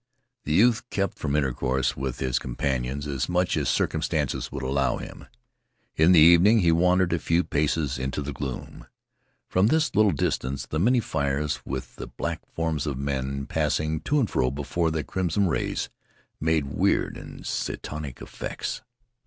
The youth kept from intercourse with his companions as much as circumstances would allow him. In the evening he wandered a few paces into the gloom. From this little distance the many fires, with the black forms of men passing to and fro before the crimson rays, made weird and satanic effects.